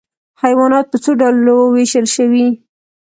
حیوانات په څو ډلو ویشل شوي؟